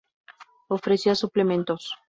Ofrecía suplementos.